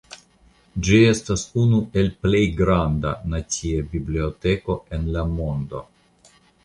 Ĝi estas unu el plej granda naciaj bibliotekoj en la mondo.